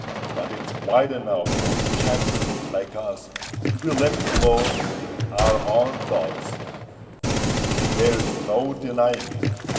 But it's quite enow for chaps like us to be left alone with our own thoughts—and there's no denying it.